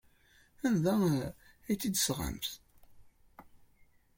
Anda ay tt-id-tesɣamt?